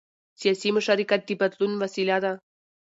سیاسي مشارکت د بدلون وسیله ده